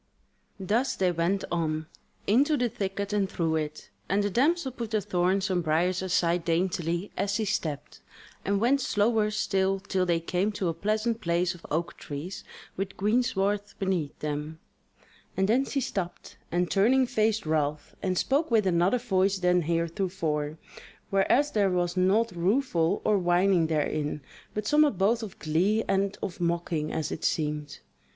Thus they went on, into the thicket and through it, and the damsel put the thorns and briars aside daintily as she stepped, and went slower still till they came to a pleasant place of oak trees with greensward beneath them; and then she stopped, and turning, faced Ralph, and spoke with another voice than heretofore, whereas there was naught rueful or whining therein, but somewhat both of glee and of mocking as it seemed.